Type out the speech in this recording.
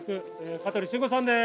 香取慎吾さんです！